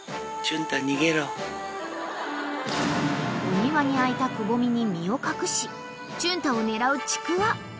［お庭にあいたくぼみに身を隠しチュンタを狙うちくわ］